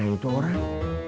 kemana itu orang